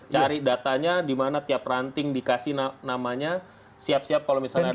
cari datanya dimana tiap ranting dikasih namanya siap siap kalau misalnya ada